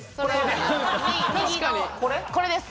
これです。